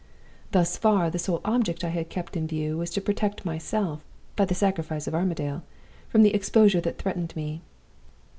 Thus far the sole object I had kept in view was to protect myself, by the sacrifice of Armadale, from the exposure that threatened me.